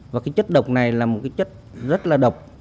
và chất độc này là một chất rất là độc